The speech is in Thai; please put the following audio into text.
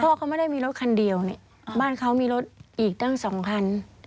เขาไม่ได้มีรถคันเดียวเนี่ยบ้านเขามีรถอีกตั้งสองคัน